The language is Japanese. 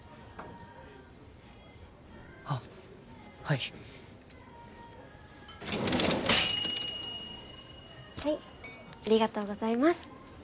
あっはいはいありがとうございます